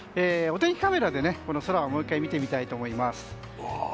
お天気カメラで、この空をもう１回見てみたいと思います。